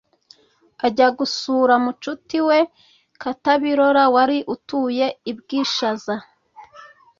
ajya gusura mucuti we katabirora wari utuye i bwishaza.